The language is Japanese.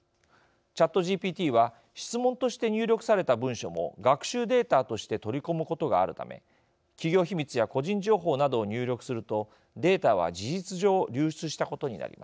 ＣｈａｔＧＰＴは質問として入力された文章も学習データとして取り込むことがあるため企業秘密や個人情報などを入力するとデータは事実上流出したことになります。